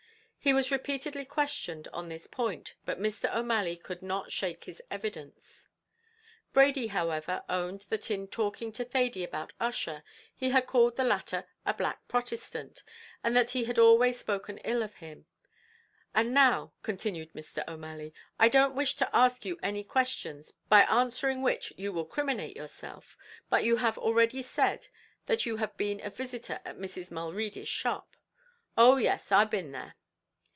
He was repeatedly questioned on this point, but Mr. O'Malley could not shake his evidence. Brady, however, owned that in talking to Thady about Ussher, he had called the latter "a black Protestant," and that he had always spoken ill of him; "and now," continued Mr. O'Malley, "I don't wish to ask you any questions by answering which you will criminate yourself; but you have already said that you have been a visitor at Mrs. Mulready's shop?" "Oh yes, I've been there."